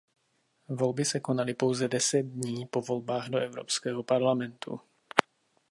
Volby se konaly pouze deset dní po Volbách do Evropského parlamentu.